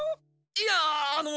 いやあの。